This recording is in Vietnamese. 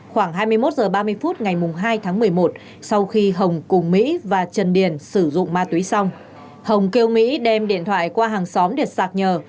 khoảng hai mươi một h ba mươi phút ngày hai tháng một mươi một sau khi hồng cùng mỹ và trần điền sử dụng ma túy xong hồng kêu mỹ đem điện thoại qua hàng xóm để sạc nhờ